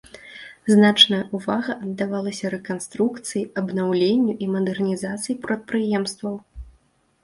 Значная ўвага аддавалася рэканструкцыі, абнаўленню і мадэрнізацыі прадпрыемстваў.